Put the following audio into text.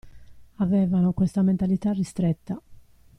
Avevano questa mentalità ristretta.